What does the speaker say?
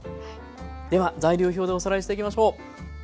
では材料表でおさらいしていきましょう。